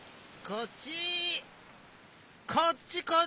こっちこっち！